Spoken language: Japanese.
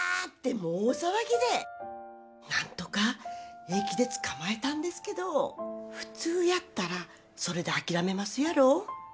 もう大騒ぎで何とか駅で捕まえたんですけど普通やったらそれで諦めますやろ？